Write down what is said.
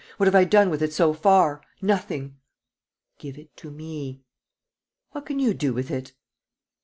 What have I done with it so far? Nothing!" "Give it to me." "What can you do with it?"